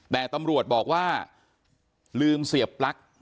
แต่ตำรวจบอกว่าลืมเสียบปลั๊ก